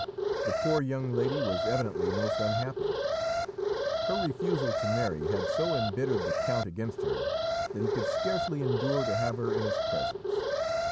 The poor young lady was evidently most unhappy. Her refusal to marry had so embittered the count against her that he could scarcely endure to have her in his presence.